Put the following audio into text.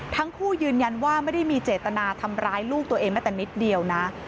ทั้งคู่ยืนยันว่าไม่ได้มีเจตนาทำร้ายลูกตัวเองแม้แต่นิดเดียวนะ